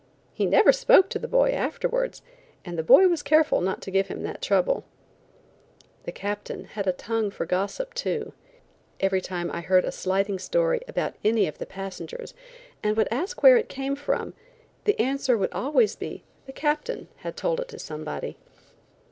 He never spoke to the boy afterwards, and the boy was careful not to give him that trouble. The Captain had a tongue for gossip, too. Every time I heard a slighting story about any of the passengers, and would ask where it came from, the answer would always be the Captain had told it to somebody.